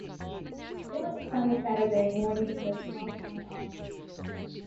It was a sunny Saturday morning in the small town of Oakville.